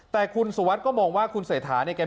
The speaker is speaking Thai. แต่คุณสุวัสดิก็มองว่าคุณเศรษฐาเนี่ย